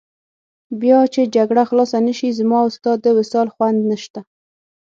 بیا چې جګړه خلاصه نه شي، زما او ستا د وصال خوند نشته.